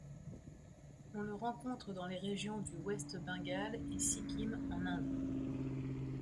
On le rencontre dans les régions du West Bengal et Sikkim en Inde.